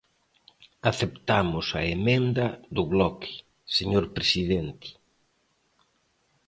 Aceptamos a emenda do Bloque, señor presidente.